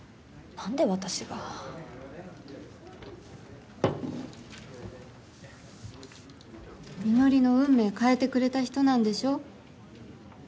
何で私が美乃里の運命変えてくれた人なんでしょ？